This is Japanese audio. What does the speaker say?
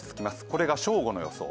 これが正午の予想。